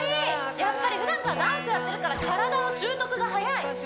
やっぱりふだんからダンスやってるから体の習得が早い！